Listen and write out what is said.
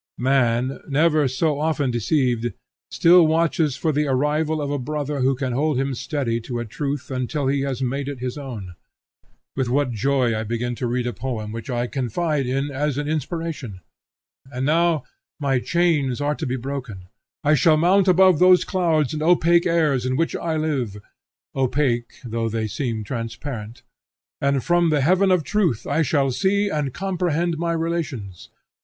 Man, never so often deceived, still watches for the arrival of a brother who can hold him steady to a truth until he has made it his own. With what joy I begin to read a poem which I confide in as an inspiration! And now my chains are to be broken; I shall mount above these clouds and opaque airs in which I live, opaque, though they seem transparent, and from the heaven of truth I shall see and comprehend my relations.